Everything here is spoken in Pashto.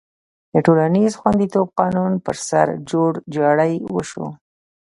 د ټولنیز خوندیتوب قانون پر سر جوړجاړی وشو.